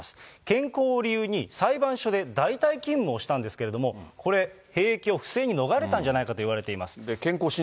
健康を理由に裁判所で代替勤務をしたんですけれども、兵役を不正に逃れたんじゃないかといわれています。